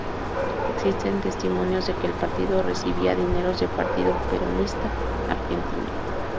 Existen testimonios de que el partido recibía dineros del Partido Peronista argentino.